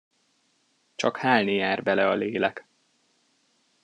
Csak hálni jár bele a lélek.